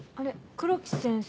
黒木先生